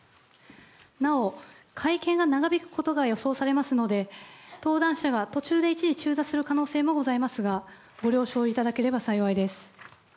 なお会見が長引くことが予想されますので登壇者が途中で一時中座する可能性もありますがご了承いただければ幸いです。